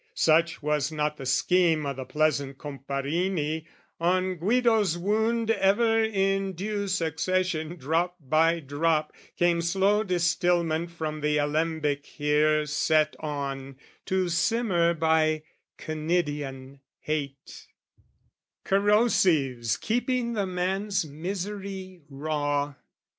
Such was not the scheme O' the pleasant Comparini: on Guido's wound Ever in due succession, drop by drop, Came slow distilment from the alembic here Set on to simmer by Canidian hate, Corrosives keeping the man's misery raw.